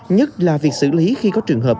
nhất là việc xử lý khi có trường hợp